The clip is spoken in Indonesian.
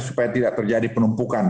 supaya tidak terjadi penumpukan